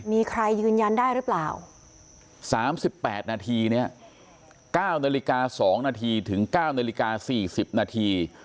มีใครยืนยันได้หรือเปล่า๓๘นาทีเนี่ย๙นาฬิกา๒นาทีถึง๙นาฬิกา๔๐นาที